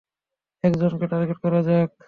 একজনকে টার্গেট করা যাক।